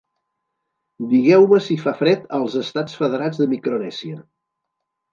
Digueu-me si fa fred als Estats Federats de Micronèsia.